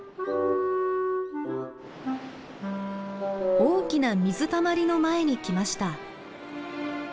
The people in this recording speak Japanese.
大きな水たまりの前に来ました。